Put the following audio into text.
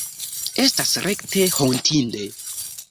Estas rekte hontinde.